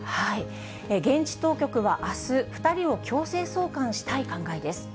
現地当局はあす、２人を強制送還したい考えです。